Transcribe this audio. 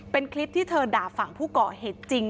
เป็นคลิปที่เธอด่าฝั่งผู้ก่อเหตุจริง